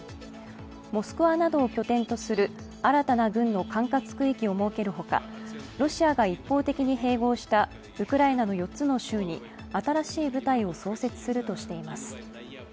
モスクワなどを拠点とする新たな軍の管轄区域を設けるほか、ロシアが一方的に併合したウクライナの４つの州に新しい部隊を創設するとしています。